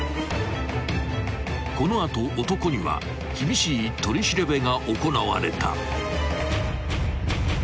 ［この後男には厳しい取り調べが行われた］